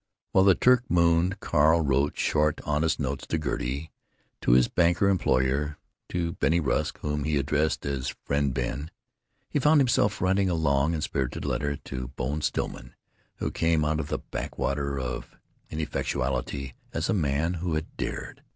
While the Turk mooned, Carl wrote short honest notes to Gertie, to his banker employer, to Bennie Rusk, whom he addressed as "Friend Ben." He found himself writing a long and spirited letter to Bone Stillman, who came out of the backwater of ineffectuality as a man who had dared.